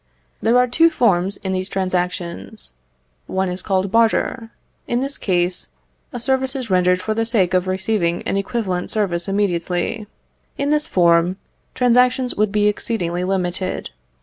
There are two forms in these transactions; one is called barter: in this case, a service is rendered for the sake of receiving an equivalent service immediately. In this form, transactions would be exceedingly limited.